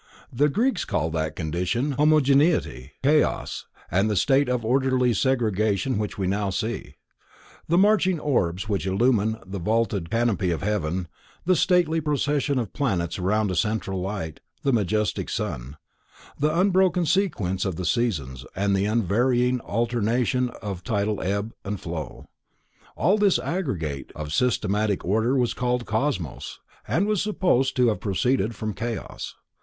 The Greeks called that condition of homogeneity Chaos, and the state of orderly segregation which we now see; the marching orbs which illumine the vaulted canopy of heaven, the stately procession of planets around a central light, the majestic sun; the unbroken sequence of the seasons and the unvarying alternation of tidal ebb and flow;—all this aggregate of systematic order, was called Cosmos, and was supposed to have proceeded from Chaos.